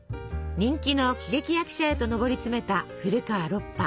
人気の喜劇役者へとのぼり詰めた古川ロッパ。